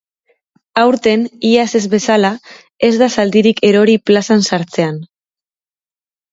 Aurten, iaz ez bezala, ez da zaldirik erori plazan sartzean.